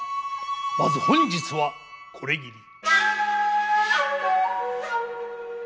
まず本日はこれぎり。